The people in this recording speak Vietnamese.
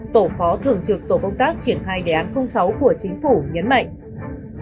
tổ phó thường trực tổ công tác triển khai đề án sáu của chính phủ nhấn mạnh